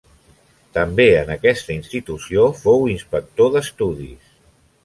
També en aquesta institució fou inspector d'estudis.